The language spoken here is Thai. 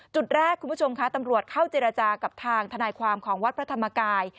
จุดแรกคุณผู้ชมค่ะตำรวจเข้าเจรจากับทางทนายความของวัดพระธรรมกาย